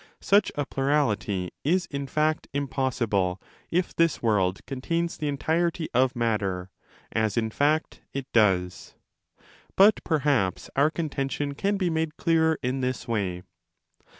Such a plurality is in fact impossible if this world contains the entirety of matter, as in fact it does. But perhaps our contention can be made clearer in this way.